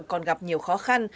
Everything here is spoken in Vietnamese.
còn gặp nhiều khó khăn